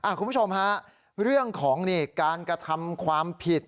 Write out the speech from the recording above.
คุณผู้ชมฮะเรื่องของการกระทำความผิด